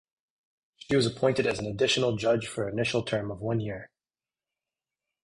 She was appointed as an additional judge for initial term of one year.